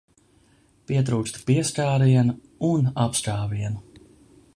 Pietrūkst pieskārienu un apskāvienu.